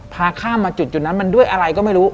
พาข้ามมาจุดนั้นมันด้วยอะไรก็ไม่รู้